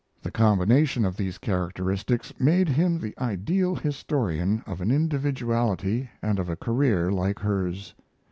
The combination of these characteristics made him the ideal historian of an individuality and of a career like hers.